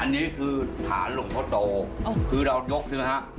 อันนี้คือฐานหลวงพ่อโตคือเรายกใช่ไหมฮะ